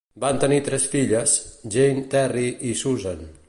Van tenir tres filles: Jane, Terry i Susan.